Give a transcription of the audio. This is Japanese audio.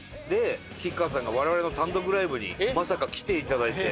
吉川さんが我々の単独ライブにまさか来ていただいて。